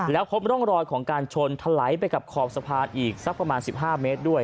แล้วพบร่องรอยของการชนถลายไปกับขอบสะพานอีกสักประมาณ๑๕เมตรด้วย